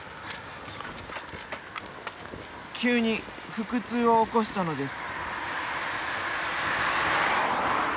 急に腹痛を起こしたのです。